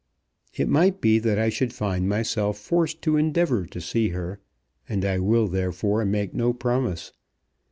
"It might be that I should find myself forced to endeavour to see her, and I will therefore make no promise.